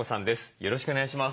よろしくお願いします。